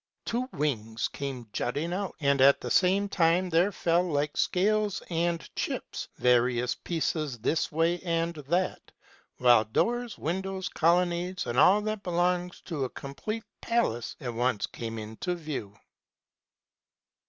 Two wings came jutting out ; and at the same time there fell, like scales and chips, various pieces this way and that : while doors, windows, colonnades, and all that belongs to a complete palace, at once came into view.